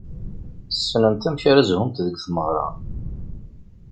Ssnent amek ara zhunt deg tmeɣra.